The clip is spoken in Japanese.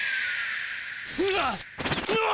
うわ！